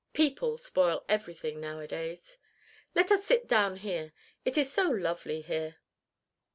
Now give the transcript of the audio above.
People spoil everything nowadays.... Let us sit down here: it is so lovely here."